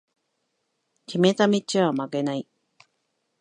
決めた道は曲げない